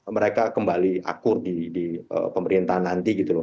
mereka kembali akur di pemerintahan nanti